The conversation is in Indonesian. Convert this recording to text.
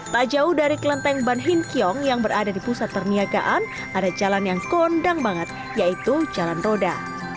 tak jauh dari kelenteng ban hin kiong yang berada di pusat perniagaan ada jalan yang kondang banget yaitu jalan roda